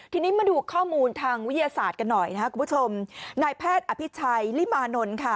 ทีนี้มาดูข้อมูลทางวิทยาศาสตร์กันหน่อยนะครับคุณผู้ชมนายแพทย์อภิชัยลิมานนท์ค่ะ